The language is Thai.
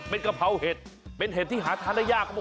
เป็นกะเพราเห็ดเป็นเห็ดที่หาทานได้ยาก